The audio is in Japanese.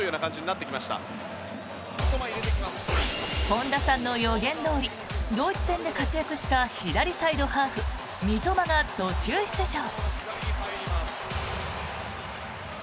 本田さんの予言どおりドイツ戦で活躍した左サイドハーフ、三笘が途中出場。